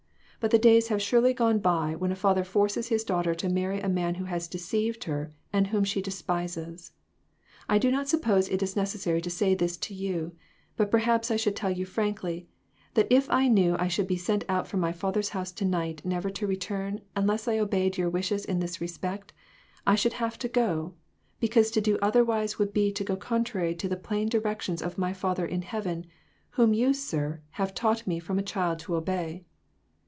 But the days have surely gone by when a father forces his daughter to marry a man who has deceived her, and whom she despises. I do not suppose it is necessary to say this to you, but perhaps I should tell you frankly that if I knew I should be sent out from my father's house to night never to return, unless I obeyed your wishes in this respect, I should have to go ; because to do otherwise would be to go contrary to the plain directions of my Father in heaven, whom you, sir, have taught me from a child to obey."